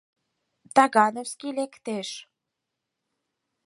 Тагановский лектеш.